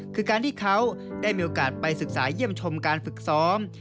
คือการที่เขาได้มีโอกาสไปศึกษาเยี่ยมชมการฝึกซ้อม